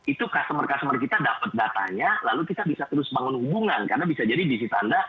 itu customer customer kita dapat datanya lalu kita bisa terus bangun hubungan karena bisa jadi bisnis anda